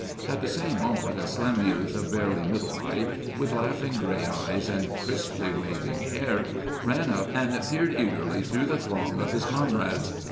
At the same moment, a slim youth of barely middle height, with laughing gray eyes and crisply waving hair, ran up and peered eagerly through the throng of his comrades.